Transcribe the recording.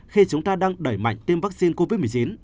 khi chúng ta đang đẩy mạnh tiêm vaccine covid một mươi chín